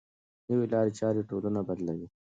نوې لارې چارې ټولنه بدلوي.